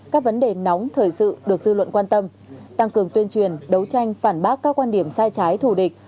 các vấn đề nóng thời sự được dư luận quan tâm tăng cường tuyên truyền đấu tranh phản bác các quan điểm sai trái thù địch